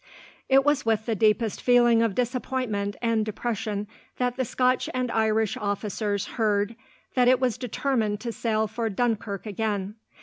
It was with the deepest feeling of disappointment, and depression, that the Scotch and Irish officers heard that it was determined to sail for Dunkirk again.